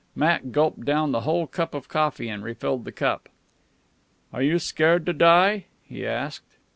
Matt gulped down the whole cup of coffee, and refilled the cup. "Are you scared to die?" he asked.